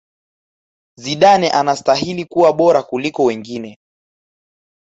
Zidane anastahili kuwa bora kukliko wengine